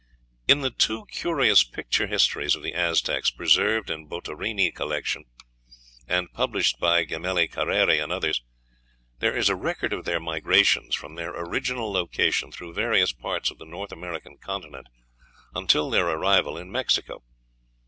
In the two curious picture histories of the Aztecs preserved in the Boturini collection, and published by Gamelli Careri and others, there is a record of their migrations from their original location through various parts of the North American continent until their arrival in Mexico.